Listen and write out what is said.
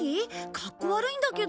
かっこ悪いんだけど。